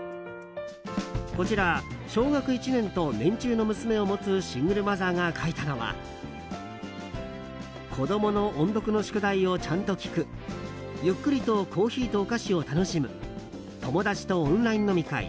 こちら小学１年と年中の娘を持つシングルマザーが書いたのは子供の音読の宿題をちゃんと聞く、ゆっくりとコーヒーとお菓子を楽しむ友達とオンライン飲み会